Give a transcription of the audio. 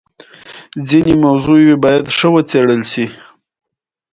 د قلم ټولنې کار ځای ته ولاړو.